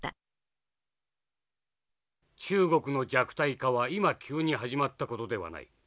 「中国の弱体化は今急に始まった事ではない。